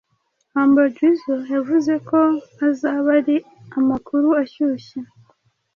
humble jizzo yavuze ko azaba ari amakuru ashyushye